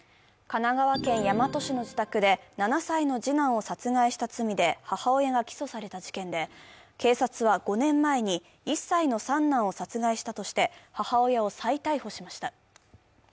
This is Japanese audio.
神奈川県大和市の自宅で７歳の次男を殺害した罪で母親が起訴された事件で、警察は５年前に、１歳の三男を殺害したとして母親を再逮捕しました。